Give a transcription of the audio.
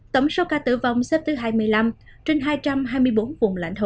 tổng số ca tử vong xếp thứ hai mươi năm trên hai trăm hai mươi bốn vùng lãnh thổ